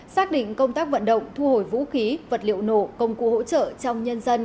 xác định công tác vận động thu hồi vũ khí vật liệu nổ công cụ hỗ trợ trong nhân dân